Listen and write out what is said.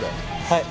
はい。